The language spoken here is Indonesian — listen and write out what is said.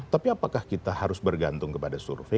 tapi apakah kita harus bergantung kepada survei